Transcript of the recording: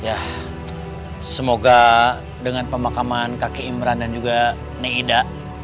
yah semoga dengan pemakaman kakek imran dan juga nia ida